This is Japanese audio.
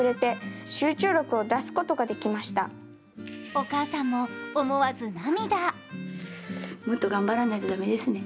お母さんも思わず涙。